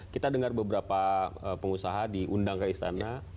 kita dengar beberapa pengusaha diundang ke istana